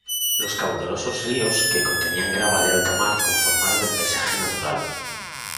Los caudalosos ríos que contenían grava de alta mar conformaron el paisaje actual.